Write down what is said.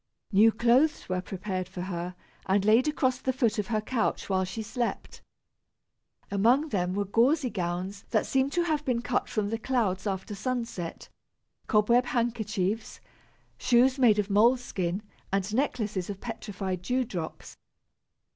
New clothes were prepared for her, and laid across the foot of her couch while she slept. Among them were gauzy gowns that seemed to have been cut from the clouds after sunset, cobweb handkerchiefs, shoes made of mole skin, and necklaces of petrified dew drops.